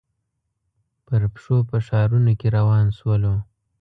پر پښو په ښارنو کې روان شولو.